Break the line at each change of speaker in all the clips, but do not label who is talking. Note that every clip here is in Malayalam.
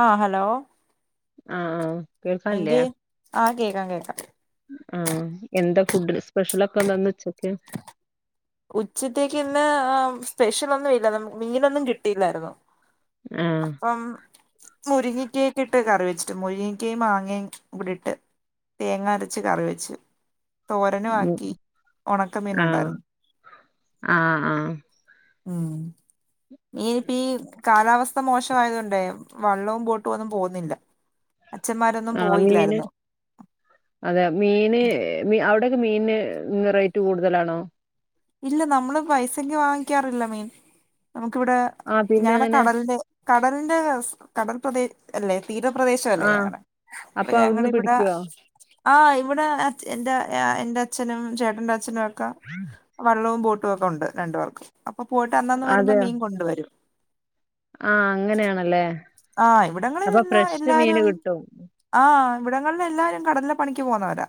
ആഹ് ഹലോ
ആഹ് കേൾക്കാല്ലേ
എന്തേ ആഹ് കേക്കാം കേക്കാം
ആഹ് എന്താ ഫുഡ് സ്പെഷ്യലൊക്കെ എന്താ ഇന്ന് ഉച്ചക്ക്
ഉച്ചത്തേക്ക് ഇന്ന് ഏ സ്പെഷ്യലൊന്നും ഇല്ല നമു മീനൊന്നും കിട്ടിയില്ലാരുന്നു
ആഹ്
അപ്പം മുരിങ്ങക്കയിട്ടിട്ട് കറി വെച്ചു മുരിങ്ങക്കയും മാങ്ങയും കൂടി ഇട്ട് തേങ്ങ അരച്ച് കറി വെച്ചു തോരനും
ഉം
ആക്കി ഒണക്കമീന്
ആഹ്
ഉണ്ടായിരുന്നു
ആഹ് ആഹ്
ഉം മീൻ ഇപ്പ ഈ കാലാവസ്ഥ മോശമായത് കൊണ്ടേ വള്ളവും ബോട്ടും ഒന്നും പോകുന്നില്ല അച്ഛമ്മാരൊ
ആഹ മീന് അതെ മീന് അവിടെയൊക്കെ മീന് റേറ്റ് കൂടുതലാണോ
ഇല്ല നമ്മള് പൈസക്ക് വാങ്ങിക്കാറില്ല മീൻ നമുക്കിവിടെ
ആഹ് പിന്നെ
ഞങ്ങടെ
അങ്ങനെ
കടലിന്റെ കടലിന്റെ കടൽ പ്രദേ അല്ലെ തീരപ്രദേശ അല്ലേ
ആഹ്
ഞങ്ങടെ അപ്പൊ ഞങ്ങള്
അവിടുന്ന്
ഇവിടെ
പിടിക്കുവോ
ആഹ് ഇവിടെ എൻ്റെ ആ എന്റെ അച്ഛനും ചേട്ടന്റെ അച്ഛനും ഒക്കെ
ഉം
വള്ളവും ബോട്ടും ഒക്കെ ഉണ്ട് രണ്ടുപേർക്കും അപ്പൊ പോയിട്ട് അന്നന്ന് വരുമ്പോ
അതെ
മീൻ കൊണ്ട് വരും
ആഹ് അങ്ങനെയാണല്ലേ
ആഹ്
അപ്പൊ
ഇവിടങ്ങളിലെല്ലാം
ഫ്രഷ് മീന്
എല്ലാരും
കിട്ടും
ആഹ് ഇവിടങ്ങളില് എല്ലാരും കടലിലെ പണിക്ക് പോകുന്നവരാ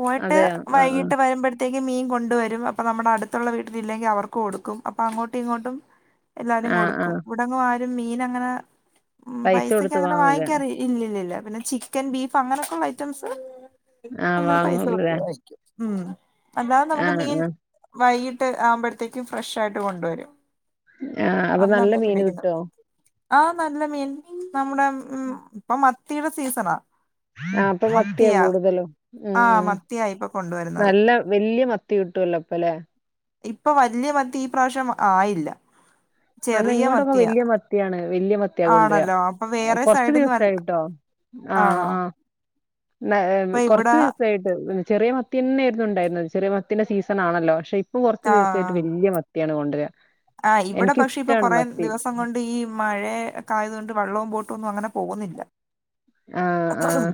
പോയിട്ട്
അതെയോ ആഹ്
വൈകിട്ട് വരുമ്പഴ ത്തേക്ക് മീൻ കൊണ്ടുവരും അപ്പം നമ്മുടെ അടുത്തുള്ള വീട്ടിലില്ലെങ്കിൽ അവർക്ക് കൊടുക്കും അപ്പം അങ്ങോട്ടും ഇങ്ങോട്ടും എല്ലാരും
ആഹ് ആഹ്
കൊടുക്കും
ആഹ്
ഇവ്ടങ്ങും ആരും മീൻ അങ്ങനെ ഉം
പൈസ
പൈസക്ക്
കൊടുത്ത്
അങ്ങനെ
വാങ്ങൂല
വാങ്ങിക്കാറ് ഇല്ലില്ലില്ല പിന്നെ ചിക്കൻ ബീഫ് അങ്ങനെയൊക്കെ ഉള്ള ഐറ്റംസ്
ആഹ്
നമ്മള് പൈസ
വാങ്ങൂലല്ലേ
കൊടുത്ത് വാങ്ങിക്കും ഉം അല്ലാതെ നമുക്ക്
ആഹ്
മീൻ
ആഹ്
വൈകിട്ട് ആവുമ്പഴത്തേക്കും ഫ്രഷ് ആയിട്ട് കൊണ്ടുവരും
ആഹ് അപ്പൊ നല്ല
അന്നന്ന്
മീന്
പിടിക്കുന്ന
കിട്ടോ
ആഹ് നല്ല മീൻ നമ്മുടെ
ഉം
ഇപ്പൊ മത്തിടെ സീസണാ.
ആ പ്പൊ മത്തിയാ കൂടുതലും
ആഹ്
മ്
മത്തിയാ ഇപ്പൊ കൊണ്ടുവരുന്നത്
നല്ല വെല്യ മ ത്തി കിട്ടുല്ലോ പ്പലെ?
ഇപ്പൊ വല്ല്യ മത്തി ഈ പ്രാവശ്യം ആയില്ല.
ആ ന്നാ
ചെറിയ
ഇങ്ങോട്ടൊക്കെ
മത്തിയാ
വെല്ല്യ മത്തിണ് വെല്ല്യ മത്തിയാ കൊണ്ടര
ആണല്ലോ അപ്പൊ വേറെ
കൊറച്
സൈഡിൽന്ന് വല്ല
ദിവസായിട്ടോ. ആഹ
ആണോ
ആഹ ന്ന
ഇപ്പൊ
കൊറച്ച്
ഇവിടെ
ദിവസായിട്ട് ചെറിയ മത്തിന്നെരുന്നു ണ്ടായിര്ന്നത് ചെറിയ മത്തിന്റെ സീസണാണല്ലോ പക്ഷെ ഇപ്പം കൊറച്ച് ദിവസയിട്ട് വെല്ല്യ മ ക്യാണ് കൊണ്ട് രാ.
ആ ഇവിടെ പക്ഷെ ഇപ്പൊ കൊറേ ദിവസം കൊണ്ട് ത് ഈ മഴെക്കായതുകൊണ്ട് വള്ളവും ബോട്ടുന്നും അങ്ങനെ പോവുന്നില്ല.
ആഹ ആഹ..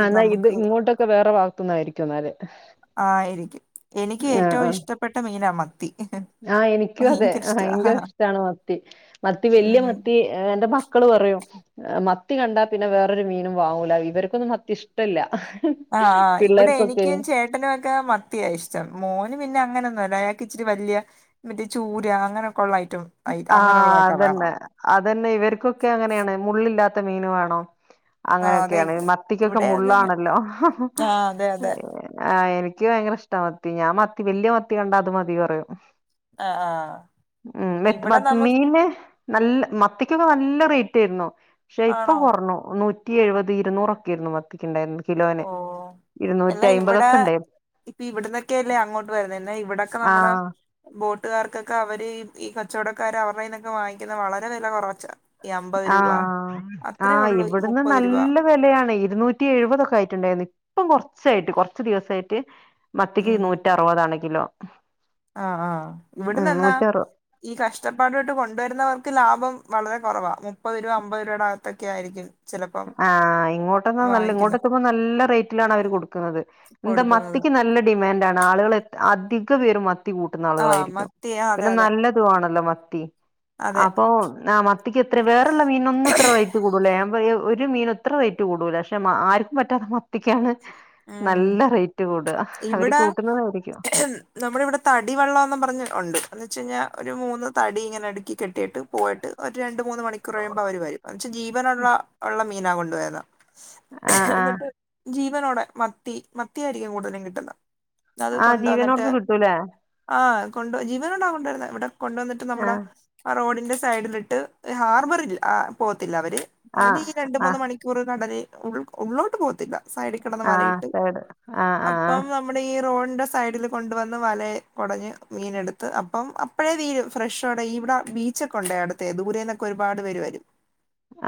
ആ ന്നാ ഇത്
നമുക്ക്
ഇങ്ങോട്ടൊക്കെ വേറെ ഭാഗത്തുന്ന ആയിരിക്കും ന്നാല്.
ആയിരിക്കും എനിക്ക് ഏറ്റവും ഇഷ്ടപ്പെട്ട മീനാ മത്തി.
ആഹ എനിക്കും അതെ
ഭയങ്കര ഇഷ്ടാ
ഭയങ്കര ഇഷ്ടാണ് മത്തി മത്തി വെല്ല്യ
ഉം
മത്തി ഏ എന്റെ മക്കള് പറയും മത്തി കണ്ടാ പിന്നെ വേറൊരു മീനും വാങ്ങൂല ഇവർക്കൊന്നും മത്തി ഇഷ് ട്ടല്ല പിള്ളേർക്കൊക്കെ
ട്ടനൊക്കെ മത്തിയാ ഇഷ്ടം മോന് പിന്നെ അങ്ങനെന്നുംല്ല ഞങ്ങക്ക് ഇച്ചിരി വല്ല്യ മറ്റേ ചൂര അങ്ങനെക്കൊള്ള ഐറ്റം
ആ
അങ്ങനെയുള്ളതൊക്കെ വേണം
അതെന്നെ അതന്നെ ഇവർക്കൊക്കെ അങ്ങനെണ് മുള്ളില്ലാത്ത മീന് വേണം.
ആ അതെ
അങ്ങനെയൊക്കെണ്
ഇവിടെ
മത്തിക്കൊക്കെ
ഇവിടെ അത് തന്നെ
മുള്ളാണല്ലോ ഹ് ഹ്
ആ അതെ അതെ
ആ എനി ഇയ് ക്ക് ഭയങ്കര ഇഷ്ടാ മത്തി ഞാൻ മത്തി വെല്ല്യ മത്തി കണ്ടാ അത് മതി പറയും.
ആഹ ആഹ.
മ് മെത് മത് മീന് നല്ല മത്തിക്കൊക്കെ നല്ല റേറ്റ് ആര്ന്നു. ഷെ ഇപ്പൊ
ആണോ
കൊർണു നൂറ്റി എഴുപത് ഇരുന്നൂറൊക്കെ ര്ന്നു മത്തിക്ക്ണ്ടായ്ര്ന്നെ
ഓ
കിലോന്. ഇരുന്നൂറ്റി
എന്നാ ഇവിട
അയ്മ്പതൊക്കെ ഉണ്ടായിരുന്നു
ഇവിടുന്നൊക്കെയല്ലേ അങ്ങോട്ട് വരുന്നേ എന്നാ ഇവിടക്കെ നമ്മടെ
ആഹ്
ബോട്ടുകാർക്കൊക്കെ അവര് ഈ കച്ചവടകാര് അവരുടെ ന്നൊക്കെ വാങ്ങിക്ന്നെ വളരെ വെല കൊറവച്ച.
ആഹ ആഹ് ഇവിടന്ന്
മുപ്പത് രൂപ
നല്ല വെലണ് ഇരുന്നൂറ്റി എഴുപതൊക്കെ ആയിട്ട്ണ്ടെനി ഇപ്പം കൊറച്ചായിട്ട് കൊറച്ച് ദിവസയിറ്റ് മത്തിക്ക് നൂറ്റ അറുപതാണ് കിലോ.
ആഹ ആഹ
ഉം
ഇവിട്ന്നെന്നാ
നൂറ്ററു
ഈ കഷ്ടപ്പാടുട്ട് കൊണ്ടുവരുന്നവർക്ക് ലാഭം വളരെ കൊറവാ മുപ്പത് രൂപ അമ്പത് രൂപയുടെ അകത്തൊക്കെ ആയിരിക്കും. ചിലപ്പം
ആ ഇങ്ങോട്ടന്നാ നല്ല ഇങ്ങോട്ട്
വാങ്ങിക്കുന്നത്
ക്ക പ്പൊ നല്ല റേറ്റിലാണ് അവര് കൊട്ക്ക്ന്നത്. ന്താ
കൊടുക്കുന്നത്
മത്തിക്ക് നല്ല ഡിമാൻന്റ് ആണ് ആളുകള് അധിക പേരും മത്തി കൂ ട്ട്ന്ന
ആഹ്
ആളുകളായിരിക്കും
മത്തി ആഹ് അതെ
പിന്നെ
അതെ
നല്ലതു ആണല്ലോ മത്തി
അതെ
അപ്പൊ ന്നാ മ ത്തിക് എത്ര വേറള്ള മീനോന്നുംത്ര റൈറ്റ് കൂടുല ഞ പറയാ ഒരു മീനും ഇത്ര റേറ്റ് കൂടൂല പക്ഷെ ആർക്കും പറ്റാത്ത മത്തിക്കാണ്
ഉം
നല്ല റേറ്റ് കൂട അവര് കൂട്ടുന്നതായിരിക്കും.
നമ്മടെ വടെ തടി വെള്ളംന്ന് പറഞ്ഞ് ഒണ്ട് ന്ന് വെച്ച് ഞ്ഞാ ഒരു മൂന്ന് തടി ഇങ്ങനെ അടുക്കി കെട്ടി ട്ടിട്ട് പോയിട്ട് ഒരു രണ്ട് മൂന്ന് മണിക്കൂർ കഴിയുമ്പോ അവര് വരും കോരച്ച് ജീവനുള്ള ഒള്ള മീനാ കൊണ്ടുവരുന്നേ
ആഹ് ആഹ്
ട്ട് ജീവനോടെ മത്തി മത്തിയായിരിക്കും കൂടുതലും കിട്ടുന്നെ. അത്
ആഹ്
കൊണ്ടോന്നിട്ട്
ജീവനോട്ക്ക് കിട്ടൂലേ
ആഹ കൊണ്ടോ ജീവനോടാ കൊണ്ടുര്ന്നെ ഇവിടെ കൊണ്ടുന്നിട്ട് നമ്മടെ
ആഹ്
ആ റോഡിന്റെ സൈഡിലിട്ട് ഹാർബറി പോകത്തില്ലേ അവര് അവര്
ആഹ്
ഈ രണ്ട് മൂന്ന്
ആഹ്
മണി പുറ കടലി ഉ ഉള്ളോട്ട് പോകത്തില്ല സൈഡി കെടന്ന് വല
ട് ആഹ് ആഹ് ആ്.
നമ്മുടെ ഈ റോഡിന്റെ സൈഡിൽ കൊണ്ടുവന്ന് വല കൊടഞ്ഞ് മീനെടുത്ത് അപ്പം അ പ്പോഴേ തീരും ഫ്രഷോടെ ഇവിടെ ബീച്ചൊക്കെ ഒണ്ട് അടുത്തെ ദൂരേന്നൊക്കെ ഒരുപാട് പേര് വരും.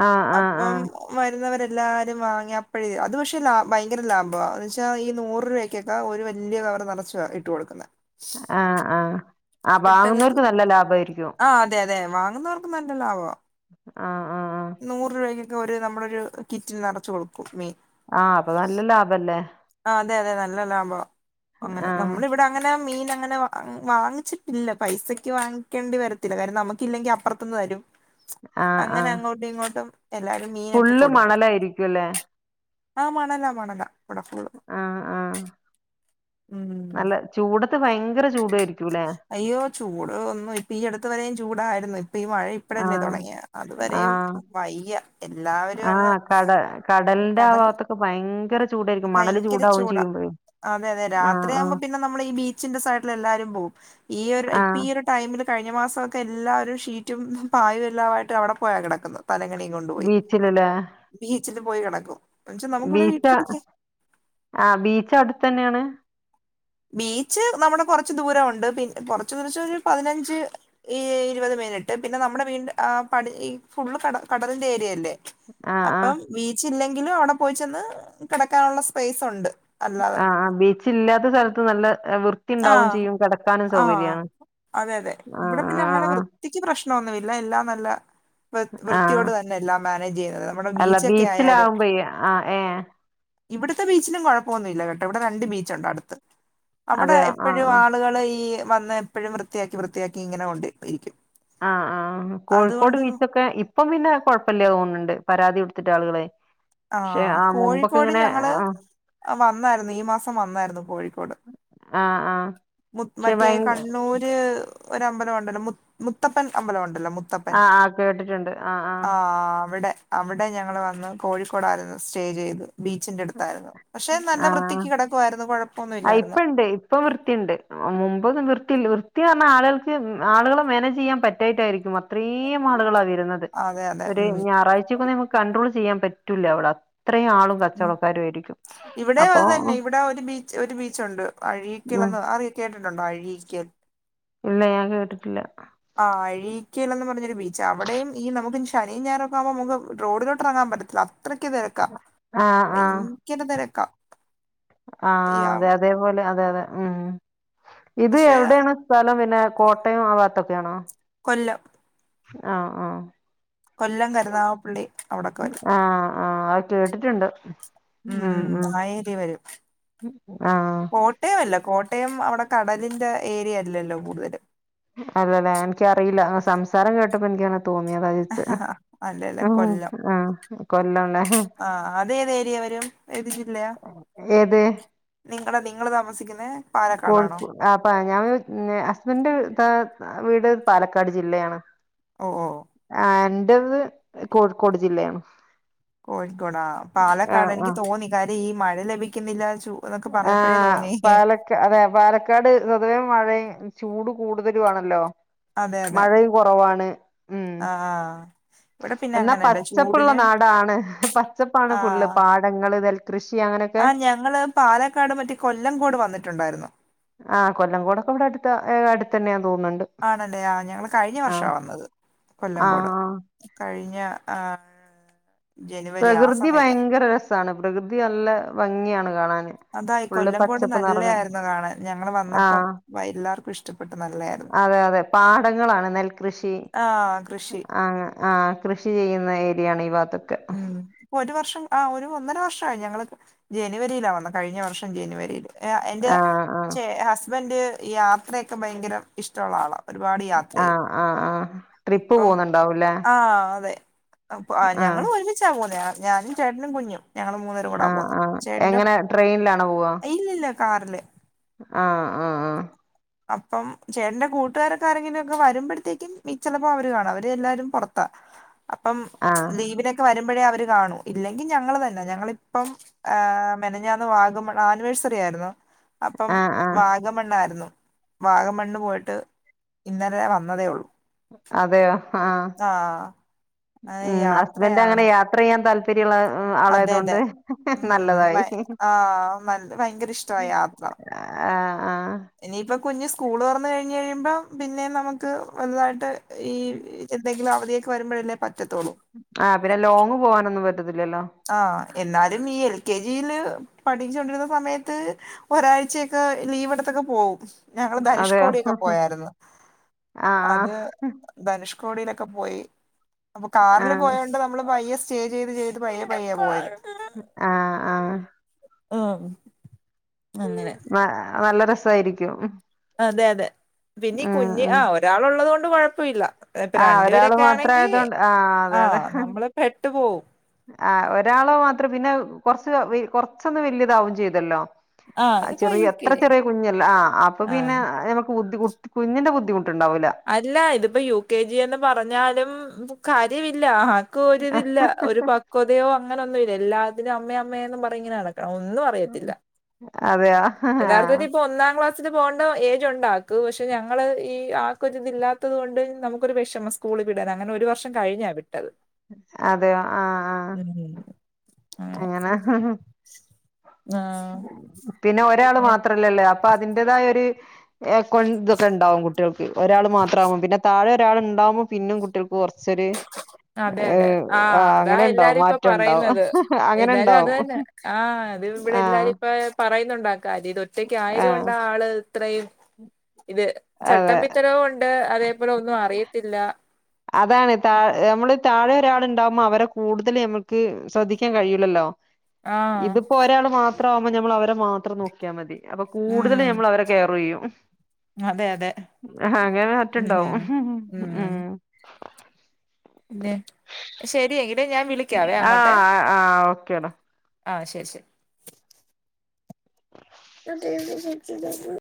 ആഹ ആ.
പ്പം വരുന്നവരെല്ലാരും വാങ്ങിയപ്പോഴേ അത് പക്ഷെ ലാ ഭയങ്കര ലാഭ വെച്ചാ ഈ നൂറ് രൂപക്കൊക്കെ ഒരു വല്ല്യ കവറ് നറചാ ഇട്ട് കൊടുക്കുന്നെ.
ആഹ് ആഹ് ആഹ്
പെട്ടെന്ന്
വാങ്ങുന്നവർക്ക് നല്ല ലാഭായിരിക്കും
ആഹ് അതെ അതെ വാങ്ങുന്നവർക്ക് നല്ലല്ല ആവാ
ആഹ് ആഹ് ആഹ്
നൂറ് രൂപയ്ക്കൊക്കെ ഒരു നമ്മുടൊരു കിറ്റിൽ നിറച്ച് കൊടുക്കും മീൻ
ആഹ് അപ്പൊ നല്ല ലാഭല്ലേ
ആഹ് അതെ അതെ നല്ല ലാഭം അങ്ങനെ
ആഹ്
നമ്മളിവിട് തങ്ങനെ മീൻ അങ്ങനെ വാങ്ങിച്ചിട്ടില്ല പൈസക്ക് വാങ്ങിക്കേണ്ടി വരത്തില്ല കാര്യം നമുക്കില്ലെങ്കിൽ അപ്പർ വരും
ആഹ്
അങ്ങനെ
ആഹ്
അങ്ങോട്ടും ഇങ്ങോട്ടും എല്ലാരും മീനൊക്കെ
ഫുള്ള്
കൊടുക്കും
മണലായിരിക്കുംല്ലേ
ആഹ് മണല മണല ഇവ്ടെ ഫുൾ
ആഹ് ആഹ്
ഉം
നല്ല ചൂടത്ത് ഭയങ്കര ചൂടായിരിക്കൂല്ലേ
അയ്യോ ചൂട് ഒന്നു ഇപ്പൊ ഈ അടുത്ത് വരെയും ചൂടായിരുന്നു ഇപ്പൊ ഈ മഴ ഇപ്പഴല്ലേ
ആഹ്
തുടങ്ങിയ അതുവരെയും
ആഹ്
വയ്യ എല്ലാവരും അങ്ങ്
ആഹ് കട കടലിന്റെ ആഹ്
കടൽ
ഭാഗത്തൊക്കെ ഭയങ്കര ചൂടായിരിക്കും മണല്
ഭയങ്കര
ചൂടാവും
ചൂടാ
ചെയ്യുമ്പോഴേ
അതെ അതെ
ആഹ്
രാത്രിയാകുമ്പോ
ആഹ്
പിന്നെ നമ്മൾ ഈ ബീച്ചിന്റെ സൈഡിൽ എല്ലാരും പോവും ഈയൊരു ഇപ്പൊ
ആഹ്
ഈ ഒരു ടൈമിൽ കഴിഞ്ഞ മാസമൊക്കെ എല്ലാവരും ഷീറ്റും പായും എല്ലാമായിട്ട് അവിടെ പോയാണ് കിടക്കുന്നത് തലങ്ങണിയും കൊണ്ടുപോയി
ബീച്ചിലല്ലേ
ബീച്ചിൽ പോയി കിടക്കും എന്നുവെച്ചാ നമുക്കിവിടെ
ബീച്ച
വീട്ടിലിരിക്കാം
ആഹ് ബീച്ച് അവിടുത്ത തന്നെയാണ്
ബീച്ച് നമ്മുടെ കൊറച്ച് ദൂരവുണ്ട് പി കൊറച്ചു ദൂച്ച് ഒരു പതിനഞ്ച് ഈ ഇരുപത് മിനിറ്റ് പിന്നെ നമ്മുടെ വീണ്ട ആഹ് പടി ഈ ഫുള്ള് കട കടലിന്റെ ഏരിയല്ലേ
ആഹ് ആഹ്
അപ്പം ബീച്ച് ഇല്ലെങ്കിലും അവിടെ പോയി ചെന്ന് കിടക്കാനുള്ള സ്പേസ് ഉണ്ട് അല്ലാതെ
ആഹ് ആഹ് ബീച്ച ഇല്ലാത്ത സ്ഥലത്ത് നല്ല വൃ ത്തിണ്ടാവും
ആഹ്
ചെയ്യും കിടക്കാനും
ആഹ്
സൗകര്യാണ് ആഹ് ആഹ്
ത്തിക്ക് പ്രശ്നമൊന്നുമില്ല എല്ലാം നല്ല വൃ
ആഹ്
വൃത്തിയോട് തന്നെല്ല മാനേജ് ചെയ്യുന്നത് നമ്മുടെ
അല്ല
ബീച്ചൊക്കെ ആയാലും
ബീച്ചിലാവുമ്പഴേ ആഹ് ഏഹ്
ഇവിടുത്തെ ബീച്ചിലും കുഴപ്പമൊന്നുമില്ല കേട്ടോ ഇവിടെ രണ്ട് ബീച്ചുണ്ടോ അടുത്ത് അവിടെ
അതെയോ ആഹ്
എപ്പോഴും
ആഹ്
ആളുകൾ ഈ വന്ന് എപ്പോഴും വൃത്തിയാക്കി വൃത്തിയാക്കി ഇങ്ങനെ കൊണ്ട് ഇരിക്കും
ആഹ് ആഹ് കോഴിക്കോട്
അതുകൊണ്ട്
ബീച്ചൊക്കെ ഇപ്പം പിന്നെ കൊഴപ്പമില്ല തോന്നുന്നുണ്ട് പരാതി കൊടുത്തിട്ട് ആളുകളെ പക്ഷെ
ആഹ്
ആ മുമ്പൊക്കെ
കോഴിക്കോട്
ഇങ്ങനെ
ഞങ്ങള്
ആഹ്
വന്നായിരുന്നു ഈ മാസം വന്നായിരുന്നു കോഴിക്കോട്
ആഹ് ആഹ്
മുത്
പക്ഷെ
മറ്റേ
ഭയങ്ക
കണ്ണൂര് ഒരമ്പലം ഉണ്ടല്ലോ മുത്തപ്പൻ അമ്പലം ഉണ്ടല്ലോ മുത് മുത്തപ്പൻ
ആഹ് ആഹ് കേട്ടിട്ടുണ്ട് ആഹ്
ആഹ് അവിടെ അവിടെ ഞങ്ങൾ വന്ന് കോഴിക്കോടായിരുന്നു സ്റ്റേ ചെയ്ത് ബീച്ചിന്റെ അടുത്തായിരുന്നു പക്ഷെ നല്ല
ആഹ്
വൃത്തിക്ക് കിടക്കായിരുന്നു
ആഹ്
കുഴപ്പമൊന്നുമല്ലായിരുന്നു
ഇപ്പണ്ട് ഇപ്പം വൃത്തി ഉണ്ട് മുമ്പ് വൃത്തില്ല വൃത്തി പറഞ്ഞാൽ ആളുകൾക്ക് ആളുകൾ മനേജ് ചെയ്യാൻ പറ്റായിട്ടായിരിക്കും അത്രയും ആളുകളാ വരുന്നത്
അതെ അതെ
ഒരു
ഉം
ഞായറാഴ്ചക്ക നമുക്ക് കണ്ടട്രോൾ ചെയ്യാൻ പറ്റില്ല അവടെ അത്രയും ആളും
ഉം
കച്ചറും
ഇവിടെ അത് തന്നെ ഇവിടെ ഒരു ബീച്ച് ഒരു ബീച്ച് ഉണ്ട്
ഉം
അഴീക്കലന്ന് അറിയ കേട്ടിട്ടുണ്ടോ അഴിക്കൽ
ഇല്ല ഞാൻ കേട്ട്ട്ടില്ല
ആഹ് അഴീക്കൽന്ന് പറഞ്ഞൊരു ബീച്ച അവിടെയും ഈ നമുക്ക് ശനിയും ഞായറൊക്കെ ആകുമ്പോ നമുക്ക് റോഡിലോട്ട് ഇറങ്ങാൻ പറ്റത്തില്ല അത്രയ്ക്ക് തിരക്കാ
ആഹ് ആഹ്
വയ് തിരക്കാ
ആഹ് അതെ അതേപോലെ അതെ അതെ ഉം ഇത്
പക്ഷെ
എവിടെയാണ് സ്ഥലം പിന്നെ കോട്ടയം ആഹ് ഭാത്തൊക്കെയാണോ
കൊല്ലം
ആഹ് ആഹ്
കൊല്ലം കരുതാവപ്പള്ളി അവിടൊക്കെ വരും
ആ അത് കേട്ടിട്ടുണ്ട്
ഉം ആയേ ദേ വരും
ആഹ്
കോ കോട്ടയമല്ല കോട്ടയം അവടെ കടലിൻ്റെ ഏരിയല്ലല്ലോ കൂടുതല്
അല്ല ലേ എനിക്കറിയില്ല ആ സംസാരം കേട്ടപ്പോ എനിക്ക തോന്നിയതാ ഇച്ച്
അല്ലല്ല
അഹ് ഉം
കൊല്ലം
ആഹ് കൊല്ലം ലേ
ആ അതേത് ഏരിയ വരും ഏത് ജില്ലയാ
ഏത്
നിങ്ങള് നിങ്ങള് താമസിക്കുന്നേ
കോഴിക്കോ ആ പാ ഞാൻ ഹസ്ബൻഡ് താ വീട് പാലക്കാട് ജില്ലയാണ്.
ഓ ഓ
ആ എന്റത് കോഴിക്കോട് ജില്ലയാണ്.
കോഴിക്കോടാ പാലക്കാട്
ആഹ്
എനിക്ക്
ആഹ്
തോന്നി കാര്യം ഈ മഴ ലഭിക്കുന്നില്ല ചു-
ആഹ് പാലക് അതെ പാലക്കാട് പൊതുവേ മഴയ് ചൂട് കൂടുതലും ആണല്ലോ
അതെ അതെ
മഴയും കൊറവാണ് ഉം
ആ ഇവിടെ പിന്നെ
എന്നാ
അങ്ങനെയല്ല
പച്ചപ്പ്ള്ള
ചൂടിന്
നാടാണ് പച്ചപ്പാണ്
ആ
ഫുള്ള് പാ ഇണ്ട ഇങ്ങള് നെൽ കൃഷി അങ്ങനൊക്കെ
ഇങ്ങള് പാലക്കാട് മറ്റേ കൊല്ലംകോട് വന്നിട്ടുണ്ടായിരുന്നോ.
ആഹ് കൊല്ലം കോടൊക്കെ ഇവിടെ അടുത്താ ഏ അടുത്തന്നെയാന്ന് തോന്ന്ന്നുണ്ട്.
ആണല്ലേ ആഹ് ഞങ്ങള് കഴിഞ്ഞ വർഷാ വന്നത് കൊല്ലംകോട്
ആഹ്
കഴിഞ്ഞ ആഹ്
പ്രകൃതി ഭയങ്കര രസാണ് പ്രകൃതി നല്ല ഭംഗിയാണ് കാണാന്.
അതായി
ഫുള്ള്
കൊല്ലംകോട്
പച്ചപ്പ്
നല്ല
നിറഞ്ഞ
യായിരുന്നു കാണാൻ ഞങ്ങള് വന്നപ്പം
ആഹ്
വയ് എല്ലാർക്കും ഇഷ്ടപ്പെട്ട് നല്ല
അതെ അതെ പാടങ്ങളാണ് നെൽകൃഷി
ആ കൃഷി
അങ്ങ് ആഹ് കൃഷി ചെയ്യുന്ന ഏരിയാണ് ഈ പാത്തൊക്കെ
ഉം ഒരു വർഷം ആഹ് ഒരു ഒന്നര വർഷായി ഞങ്ങള് ജനുവരിയിലാ വന്നത് കഴിഞ്ഞ വർഷം ജനുവരിയിൽ എ എന്റെ
ആഹ് ആഹ്
ചേ ഹസ്ബൻഡ് യാത്രയൊക്കെ ഭയങ്കര ഇഷ്ട ഉള്ള ആളാ ഒരുപാട് യാത്രയ്യും
ആഹ് ആഹ് ആഹ് ട്രിപ്പ്
ഇപ്പം
പോകുന്നുണ്ടാവൂല്ലേ
ആഹ് അതെ അപ്പോ ആ എനി
ആഹ്
തനിച്ചാവൂല ഞാനും ചേട്ടനും കുഞ്ഞും ഞങ്ങള് മൂന്നേരും കൂടാ
ആഹ്
പോകുന്ന്
ആഹ്
ചേട്ടന്റെ
എങ്ങനെ ട്രെയിനിലാണോ പോവാ
ഇല്ല ഇല്ല കാറില്.
ആഹ് ആഹ് ആഹ്
അപ്പം ചേട്ടന്റെ കൂട്ടുകാരൊക്കെ ആരെങ്കിലുഒക്കെ വരുമ്പഴത്തേക്കും ചെലപ്പോ അവര് കാണും അവര് എല്ലാരും പൊറത്താ. അപ്പം
ആഹ്
ലീവിനൊക്കെ വരുമ്പഴേ അവര് കാണൂ ഇല്ലെങ്കി ഞങ്ങള് തന്നെ ഞങ്ങളിപ്പം ആഹ് മെനഞ്ഞാന്ന് വാഗമ ആനിവേഴ്സറി ആയിരുന്നു അപ്പം
ആഹ് ആഹ്
വാഗമണ്ണായിരുന്നു. വാഗംമണ്ണ് പോയിട്ട് ഇന്നലെ വന്നതേ ഒള്ളു.
അതെയോ ആഹ്
അത്
ഉം ഹസ്ബൻഡ് അങ്ങനെ
യാത്രയാണ്
യാത്രയ്യാൻ താല്പ പ്പര്യള്ള ഉം
അതെ
ആളായതോണ്ട്
അതെ
ഹ് ഹ്
ഉം
നല്ലതായി.
ആ നല്ല ഭയങ്കര
ഹിഹി
ഇഷ്ടമായി യാത്ര
ആഹ് ആഹ്
ഇനിയിപ്പ കുഞ്ഞ് സ്കൂള് തൊറന്ന് കഴിഞ്ഞ് കഴിയുമ്പം പിന്നെയും നമുക്ക് വലുതായിട്ട് ഈ എന്തെങ്കിലും അവധിയൊക്കെ വരുമ്പഴല്ലേ പറ്റത്തൊ
ആ പിന്നെ ലോങ്ങ് പോവാനൊന്നും പറ്റത്തില്ലല്ലോ.
ആ എന്നാലും ഈ എൽ കെ ജിയില് പഠിച്ചോണ്ടിരുന്ന സമയത്ത് ഒരാഴ്ച്ചയൊക്കെ ലീവെടുത്തൊക്കെ പോവും. ഞങ്ങള്
അതെയോ
ധനുഷ്കോടിയൊക്കെ പോയായിരുന്നു
ആഹ്
അത് ധനുഷ്കോടിയിലൊക്കെ പോയി അപ്പൊ കാറില്
ആഹ്
പോയോണ്ട് നമ്മള് പയ്യെ സ്റ്റേ ചെയ്ത് ചെയ്ത് പയ്യെ പയ്യെ പോയി
ആഹ് ആഹ്
ആഹ് അങ്ങനെ
ന നല്ല രസായിരിക്കും. മ്
അതെ അതെ പിന്നീ കുഞ്ഞ്
ഉം
ആഹ് ഒരാള് ഉള്ളത് കൊണ്ട് കൊഴപ്പമില്ല. ങേ ഇപ്പ
ആഹ്
രണ്ടു
ഒരാള്
പേരൊക്കെ ആണെങ്കി
മാത്രായതോണ്ട് ആഹ്
ആ നമ്മള് പെട്ടു പോവും
ആഹ് ഒരാള് മാത്രം പിന്നെ കൊറ്ച്ച് കൊറ്ച്ചൊന്ന് വലിയതാവും ചെയ്തല്ലോ.
ആഹ് ഇതിപ്പോ യു
ചെറിയ
കെ
എത്ര
ജി
ചെറിയ കുഞ്ഞല്ല ആഹ് അപ്പൊ പിന്നെ
ആഹ്
നമുക്ക് ബുദ്ധിമുട്ട കുഞ്ഞിന്റെ ബുദ്ധിമുട്ടുണ്ടാവൂല.
അല്ല ഇതിപ്പോ യു കെ ജി എന്ന് പറഞ്ഞാലും കാര്യമില്ല അ ക്ക് ഒരിതില്ല ഒരു പക്വതയോ അങ്ങനെ ഒന്നും ഇല്ല എല്ലാതിനും അമ്മേ അമ്മേ എന്നും പറ്ഞ്ഞ്ങ്ങനെ നടക്കണം ഒന്നും അ അറിയത്തില്ല
അതെയോ
യഥാർത്ഥത്തിൽ ഇപ്പോ ഒന്നാം ക്ലാസ്സ്‌. സിന് പോകേണ്ട ഏജ് ഉണ്ടവൾക്ക് പക്ഷെ ഞങ്ങള് ഈ ആ ത് ഇല്ലാത്തത് കൊണ്ട് നമുക്കൊരു വിഷമം സ്കൂള് വിടാൻ അങ്ങനെ ഒരു വർഷം കഴിഞ്ഞാ വിട്ടത്.
അതെയോ ആഹ് ആഹ്
ഉം അങ്ങനെ
അങ്ങനാ.
[inaudible] ആഹ്
പിന്നെ ഒരാള് മാത്രല്ലല്ലേ അപ്പൊ അതിന്റതായ ഒര് കൊണ്ട് ഇതൊക്കെ ഉണ്ടാവും കുട്ടി. കുട്ടികൾക്ക് ഒരാൾ മാത്രകുമ്പോൾ പിന്നെ താഴെ ഒരാൾ ഉണ്ടാവുമ്പോ പിന്നും കുട്ടികൾക്ക് കെറ്ച്ചൊരു
അതെ അതെ
ഏഹ് ആഹ്
അതാ
അങ്ങനെണ്ടാവും
എല്ലാരും ഇപ്പൊ
മാറ്റണ്ടാവും
പറയുന്നത്
അങ്ങന
എല്ലാരും അത്
ഉണ്ടാവും.
തന്നെ ആഹ് അത് ഇവിടെ
ആ
എല്ലാരും ഇപ്പ പറയുന്നുണ്ടാക്കാര്യം ഇത് ഒറ്റക്ക് ആയത്
ആ
കൊണ്ട് ആള്. ഇത്രയും ഇത്
അതെ
ചട്ടമ്പിത്തരവും ഉണ്ട് അതേപോലെ ഒന്നും അറിയത്തില്ല.
അതാണ് താ നമ്മള് താഴെ ഒരാളുണ്ടാവുമ്പോ അവരെ കൂടുതൽ നമ്മുക്ക് ശ്രദ്ധിക്കാൻ കഴിയൂലല്ലോ.
ആഹ്
ഇതിപ്പോ ഒരാൾ മാത്രവുമ്പോ നമ്മൾ അവരെ മാ ത്രം നോക്കിയാൽ മതി അപ്പോ കൂടുതൽ
ഉം
നമ്മൾ അവരെ കെയർ ചെയ്യും.
അതെ അതെ.
ആഹ് അങ്ങനെ
ഉം
മാറ്റണ്ടാവും ഉം.
പിന്നെ ശരി എടെ ഞാൻ വിളി
ആഹ് ആഹ് ആഹ് ഓക്കെടാ.
ആഹ് ശരി ശരി.
[inaudible]
ഞാൻ ടീ വി [unintelligible]